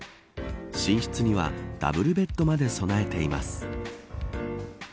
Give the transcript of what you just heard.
寝室には、ダブルベッドまで備えています。